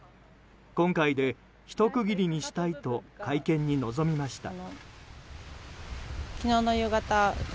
今回で、ひと区切りにしたいと会見に臨みました。